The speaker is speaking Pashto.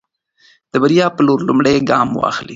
د بریا په لور لومړی ګام واخلئ.